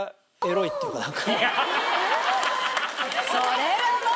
それはもう。